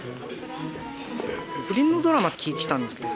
不倫のドラマって聞いてきたんですけど。